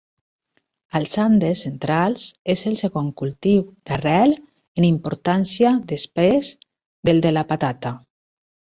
Als Andes centrals és el segon cultiu d’arrel en importància després del de la patata.